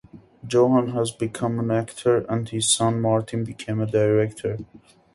Johan has become an actor and his son Martin became a director.